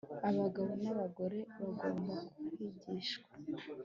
abagabo n'abagore bagomba kwigishwa